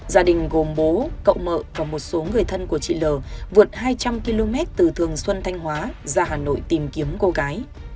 gia đình gồm bố cậu mợ và một số người thân của chị l vượt hai trăm linh km từ thường xuân thanh hóa ra hà nội tìm kiếm cô gái